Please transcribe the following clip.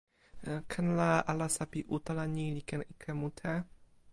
ken la, alasa pi utala ni li ken ike mute.